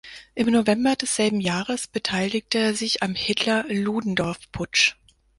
Im November desselben Jahres beteiligte er sich am Hitler-Ludendorff-Putsch.